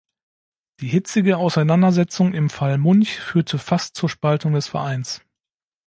Die hitzige Auseinandersetzung im „Fall Munch“ führte fast zur Spaltung des Vereins.